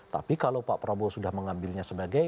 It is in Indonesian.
tapi kalau pak prabowo sudah mengambilnya sebagai